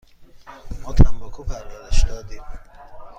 ما تنباکو پرورش دادیم.